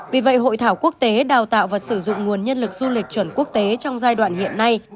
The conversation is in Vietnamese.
vì vậy hội thảo quốc tế đào tạo và sử dụng nguồn nhân lực du lịch chuẩn quốc tế trong giai đoạn hiện nay